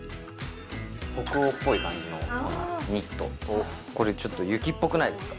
北欧っぽい感じのニットをこれちょっと雪っぽくないですか